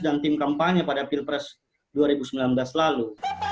dan tim kampanye pada pilpres dua ribu sembilan belas lalu